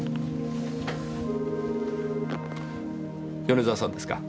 米沢さんですか？